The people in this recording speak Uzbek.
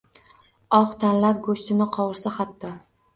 Oq tanlar go’shtini qovursa hatto!..